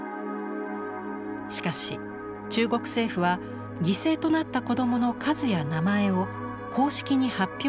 しかし中国政府は犠牲となった子どもの数や名前を公式に発表しませんでした。